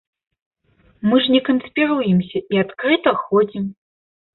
Мы ж не канспіруемся і адкрыта ходзім.